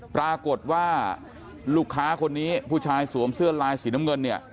ปรากฏว่าลูกค้าคนนี้ผู้ชายสวมเสื้อลายสีน้ำเงินเนี่ย